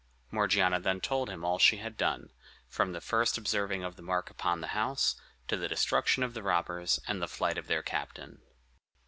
Morgiana then told him all she had done, from the first observing the mark upon the house, to the destruction of the robbers, and the flight of their captain.